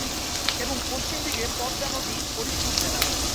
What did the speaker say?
এবং পশ্চিম দিকে পদ্মা নদী/ফরিদপুর জেলা।